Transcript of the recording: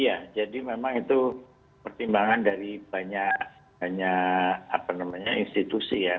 iya jadi memang itu pertimbangan dari banyak institusi ya